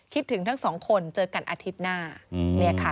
คิดถึงทั้งสองคนเจอกันอาทิตย์หน้า